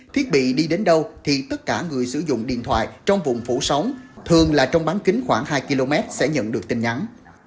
thiết bị đi đến đâu thì tất cả người sử dụng điện thoại trong vùng phủ sóng thường là trong bán kính khoảng hai km sẽ nhận được tin nhắn